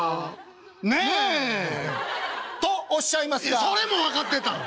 いやそれも分かってたん！？